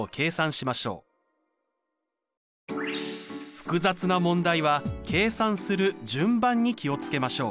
複雑な問題は計算する順番に気を付けましょう。